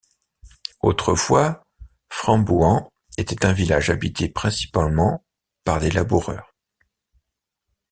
Autrefois, Frambouhans était un village habité principalement par des laboureurs.